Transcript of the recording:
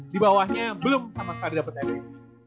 dibawahnya belum sama sekali dapet mvp